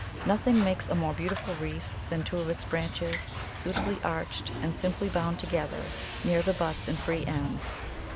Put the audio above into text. Nothing makes a more beautiful wreath than two of its branches, suitably arched and simply bound together near the butts and free ends.